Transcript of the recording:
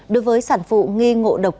đối với sản phụ nghi ngộ độc